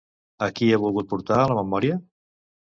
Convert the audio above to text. A qui ha volgut portar a la memòria?